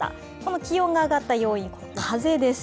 気温が上がった要因は風です。